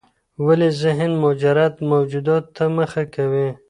ولي ذهن مجرد موجوداتو ته مخه کوي؟